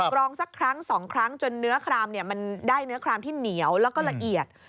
รองสักครั้งสองครั้งจนเนื้อครามมันได้เนื้อครามที่เหนียวแล้วก็ละเอียด